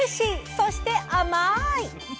そして甘い！